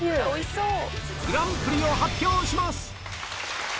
グランプリを発表します！